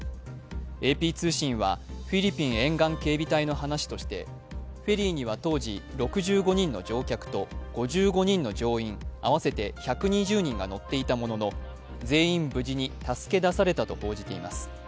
ＡＰ通信は、フィリピン沿岸警備隊の話として、フェリーには当時、６５人の乗客と５５人の乗員、合わせて１２０人が乗っていたものの、全員無事に助け出されたと報じています。